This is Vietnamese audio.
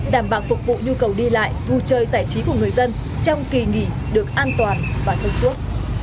đảm bảo phục vụ nhu cầu đi lại vui chơi giải trí của người dân trong kỳ nghỉ được an toàn và thông suốt